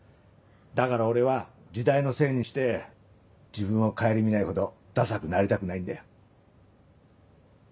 だから俺は時代のせいにして自分を顧みないほどダサくなりたくないんだよ。